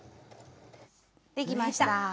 できました。